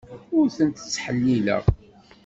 Ur tent-ttḥellileɣ.